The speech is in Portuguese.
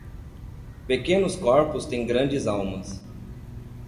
Pequenos corpos têm grandes almas.